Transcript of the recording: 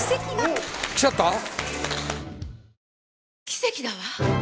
奇跡だわ。